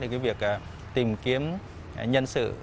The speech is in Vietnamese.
thì việc tìm kiếm nhân sự